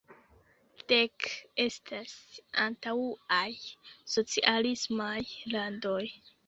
Dek estas antaŭaj socialismaj landoj.